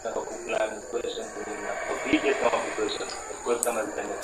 hivi vyakula vina viinilishe muhimu sana